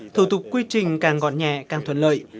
thủ tục quy trình càng gọn nhẹ càng thuận lợi